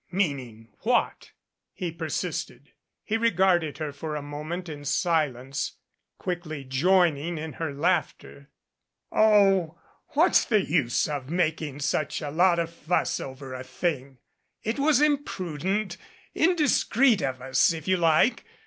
"Meaning what?" he persisted. He regarded her for a moment in silence, quickly join ing in her laughter. "Oh, what's the use of making such a lot of fuss over a thing? It was imprudent, indiscreet of us, if you like.